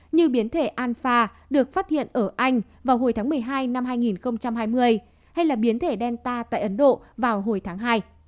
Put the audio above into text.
như biến thể anfa được phát hiện ở anh vào hồi tháng một mươi hai năm hai nghìn hai mươi hay là biến thể delta tại ấn độ vào hồi tháng hai